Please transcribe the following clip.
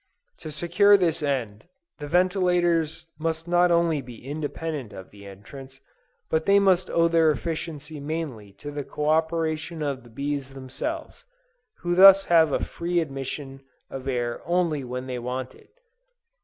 To secure this end, the ventilators must not only be independent of the entrance, but they must owe their efficiency mainly to the co operation of the bees themselves, who thus have a free admission of air only when they want it.